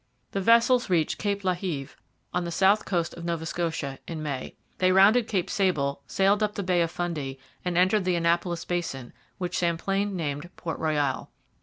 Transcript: The vessels reached Cape La Heve on the south coast of Nova Scotia in May. They rounded Cape Sable, sailed up the Bay of Fundy, and entered the Annapolis Basin, which Champlain named Port Royal.